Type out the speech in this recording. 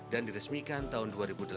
diresmikan tahun dua ribu delapan belas